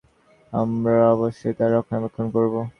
আমরা অবশ্যই তার রক্ষণাবেক্ষণ করব।